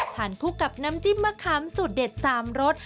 คู่กับน้ำจิ้มมะขามสูตรเด็ด๓รส